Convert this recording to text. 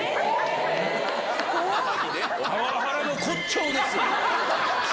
パワハラの骨頂ですよ。